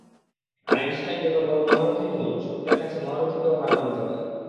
Einstein যত বড় মহারথীই হোন, সত্যের কাছে মহারথীকেও হার মানতে হয়।